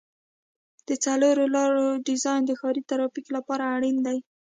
د څلور لارو ډیزاین د ښاري ترافیک لپاره اړین دی